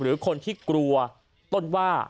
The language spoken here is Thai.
หรือคนที่กลัวต้นว่า